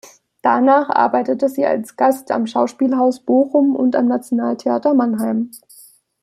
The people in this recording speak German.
Danach arbeitete sie als Gast am Schauspielhaus Bochum und am Nationaltheater Mannheim.